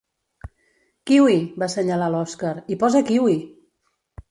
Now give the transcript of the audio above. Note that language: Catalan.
Kiwi! —va assenyalar l'Oskar— Hi posa kiwi!